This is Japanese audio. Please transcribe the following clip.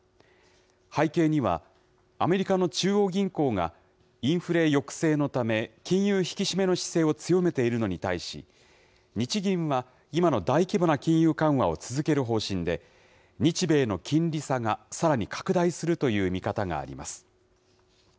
背景には、アメリカの中央銀行がインフレ抑制のため、金融引き締めの姿勢を強めているのに対し、日銀は今の大規模な金融緩和を続ける方針で、日米の金利差がさらに拡大するという見方があります。